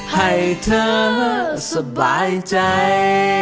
ให้เธอสบายใจ